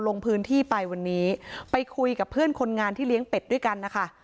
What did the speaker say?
ลงพื้นที่ไปวันนี้ไปคุยกับเพื่อนคนงานที่เลี้ยงเป็ดด้วยกันนะคะ